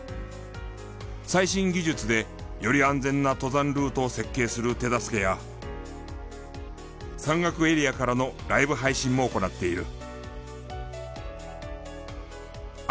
最新技術でより安全な登山ルートを設計する手助けや山岳エリアからのライブ配信も行っている。